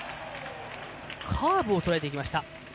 カーブを捉えていきました。